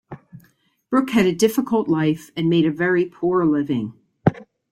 Brooke had a difficult life and made a very poor living.